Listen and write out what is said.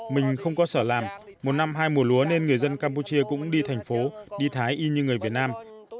mình không có sở làm một năm hai mùa lúa nên người dân campuchia cũng đi thành phố đi thái y như người việt nam